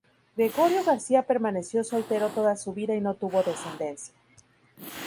Gregorio García permaneció soltero toda su vida y no tuvo descendencia.